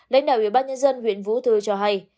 bác nhân dân huyện vũ thư cho hay